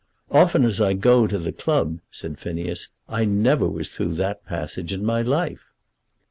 "Often as I go to the club," said Phineas, "I never was through that passage in my life."